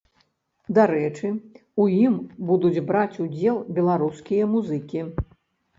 Дарэчы, у ім будуць браць удзел беларускія музыкі.